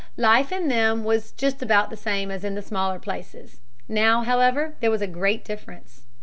Life in them was just about the same as in the smaller places. Now, however, there was a great difference.